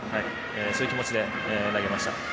そういう気持ちで投げました。